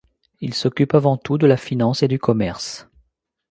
Il s'occupe avant tout de la finance et du commerce.